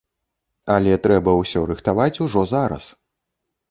Але трэба ўсё рыхтаваць ужо зараз.